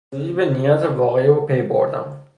بزودی به نیت واقعی او پی بردم.